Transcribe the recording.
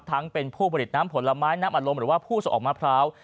ทั้งเป็นผู้ผลิตน้ำผลไม้น้ำอารมณ์หรือว่าผู้ส่งออกมะพร้าว